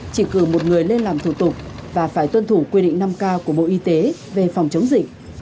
chỉ cử một người lên làm thủ tục và phải tuân thủ quy định năm k của bộ y tế về phòng chống dịch